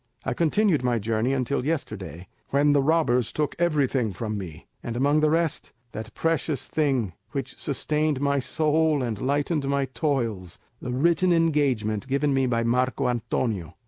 I continued my journey until yesterday, when the robbers took everything from me, and among the rest, that precious thing which sustained my soul and lightened my toils, the written engagement given me by Marco Antonio.